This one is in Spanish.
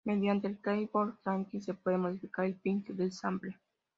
Mediante el "keyboard tracking" se puede modificar el "pitch" del sample.